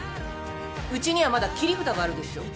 うちにはまだ切り札があるでしょ。